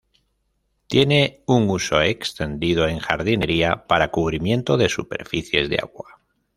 Tiene un uso extendido en jardinería para cubrimiento de superficies de agua.